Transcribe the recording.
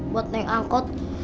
buat naik ongkot